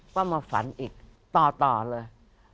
ก็มาฝันอีกต่อเลย